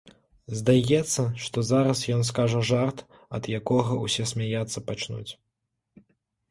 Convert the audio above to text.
Здаецца, што зараз ён скажа жарт, ад якога ўсе смяяцца пачнуць.